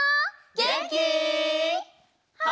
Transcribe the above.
げんき！